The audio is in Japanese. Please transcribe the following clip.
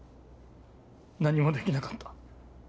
何もできなかった。